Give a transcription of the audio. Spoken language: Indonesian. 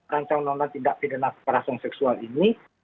lancar undang undang tidak pindah kekerasan seksual ini